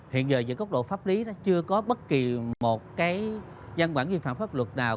hiện giờ dưới cốc độ pháp lý chưa có bất kỳ một cái dân bản nghiêm phạm pháp luật nào